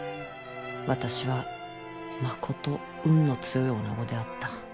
私はまこと運の強い女子であった。